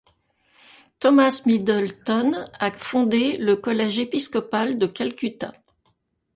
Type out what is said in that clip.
Thomas Middleton a fondé le Collège épiscopal de Calcutta.